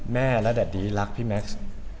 แม่และแดดดีรักพี่แม็กซ์